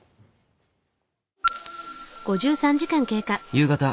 夕方。